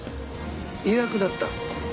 いなくなった？